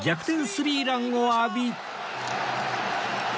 スリーランを浴び